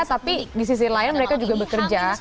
tapi di sisi lain mereka juga bekerja